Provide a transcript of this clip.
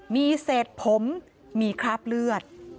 มีเศษผมมีคราบเลือด